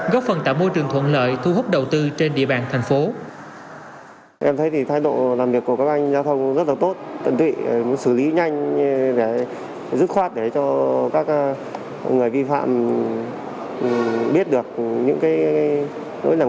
góp phần tạo môi trường thuận lợi thu hút đầu tư trên địa bàn thành phố